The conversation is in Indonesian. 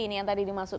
ini yang tadi dimaksud